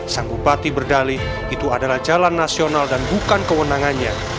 sang bupati berdali itu adalah jalan nasional dan bukan kewenangannya